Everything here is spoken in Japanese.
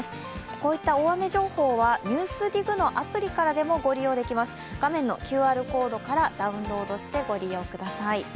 こういった大雨情報は「ＮＥＷＳＤＩＧ」のアプリからでもご利用できます、画面のＱＲコードからダウンロードしてご利用ください。